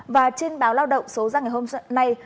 và trên báo lao động số ra ngày hôm nay